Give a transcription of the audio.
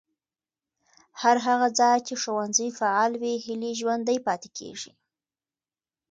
هر هغه ځای چې ښوونځي فعال وي، هیلې ژوندۍ پاتې کېږي.